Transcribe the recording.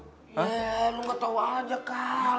ya lu nggak tau aja kak